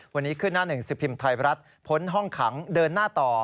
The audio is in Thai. วันนี้ขึ้นหน้าหนึ่งสิบพิมพ์ไทยรัฐพ้นห้องขังเดินหน้าต่อ